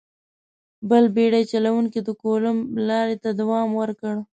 بل بېړۍ چلوونکي د کولمب لارې ته دوام ورکړ.